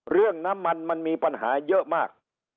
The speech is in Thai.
เรื่องน้ำมันมันมีปัญหาเยอะมาก